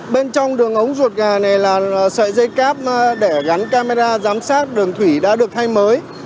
bên trong đường ống ruột gà này là sợi dây cáp để gắn camera giám sát đường thủy đã được thay mới